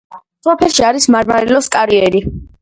სოფელში არის მარმარილოს კარიერი.